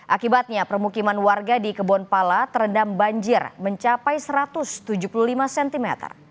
akibatnya permukiman warga di kebonpala terendam banjir mencapai satu ratus tujuh puluh lima cm